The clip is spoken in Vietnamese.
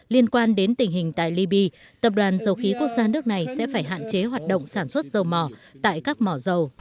liên quan đến tình hình tại libya tập đoàn dầu khí quốc gia nước này sẽ phải hạn chế hoạt động sản xuất dầu mỏ tại các mỏ dầu